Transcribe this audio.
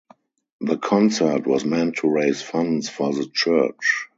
The concert was meant to raise funds for the church.